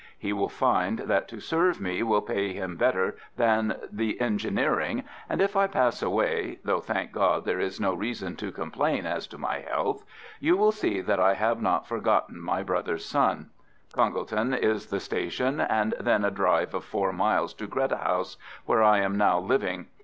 He will find that to serve me will pay him better than the engineering, and if I pass away (though, thank God, there is no reason to complain as to my health) you will see that I have not forgotten my brother's son. Congleton is the station, and then a drive of four miles to Greta House, where I am now living.